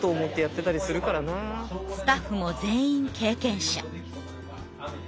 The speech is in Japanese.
スタッフも全員経験者。